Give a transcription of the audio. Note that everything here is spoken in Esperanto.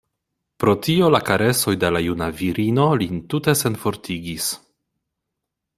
Pro tio la karesoj de la juna virino lin tute senfortigis.